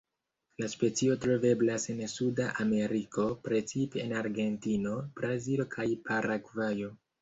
La specio troveblas en Suda Ameriko, precipe en Argentino, Brazilo kaj Paragvajo.